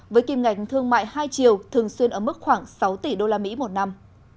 với kim ngạch thương mại hai triệu thường xuyên ở mức khoảng sáu tỷ usd một năm